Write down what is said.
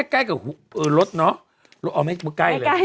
๗๗อุ๊ยใกล้กับเออลดเนาะเอาไม่ใกล้เลย